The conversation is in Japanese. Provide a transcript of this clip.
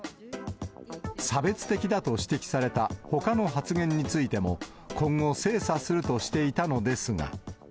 差別的だと指摘されたほかの発言についても、今後、精査するとしていたのですが。